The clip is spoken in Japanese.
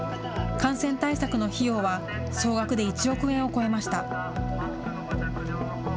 感染対策の費用は総額で１億円を超えました。